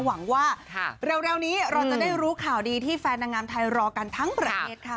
หวังว่าเร็วนี้เราจะได้รู้ข่าวดีที่แฟนนางงามไทยรอกันทั้งประเทศค่ะ